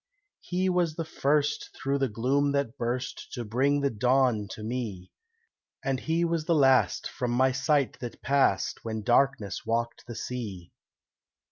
He was the first through the gloom that burst To bring the dawn to me, And he was the last from my sight that passed When darkness walked the sea.